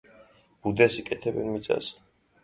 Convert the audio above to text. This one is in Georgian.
ბუდეს იკეთებენ მიწაზე.